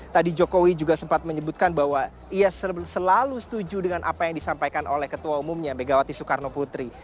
tadi jokowi juga sempat menyebutkan bahwa ia selalu setuju dengan apa yang disampaikan oleh ketua umumnya megawati soekarno putri